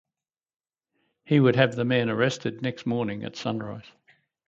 He would have the man arrested next morning at sunrise.